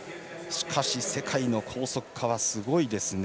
しかし、世界の高速化はすごいですね。